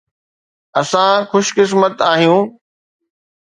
اسان خوش قسمت آهيون.